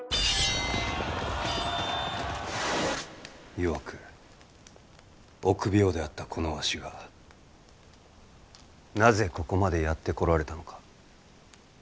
弱く臆病であったこのわしがなぜここまでやってこられたのか。